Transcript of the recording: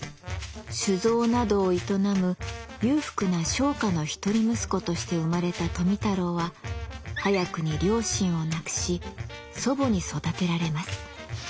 酒造などを営む裕福な商家の一人息子として生まれた富太郎は早くに両親を亡くし祖母に育てられます。